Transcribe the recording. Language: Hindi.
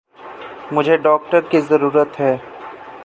मुझे डाक्टर की जरुरत है।